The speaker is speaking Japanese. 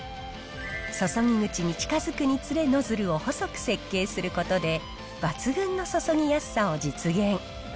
注ぎ口に近づくにつれ、ノズルを細く設計することで、抜群の注ぎやすさを実現。